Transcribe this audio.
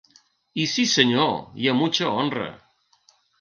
I sí senyor, i a ‘mucha honra’.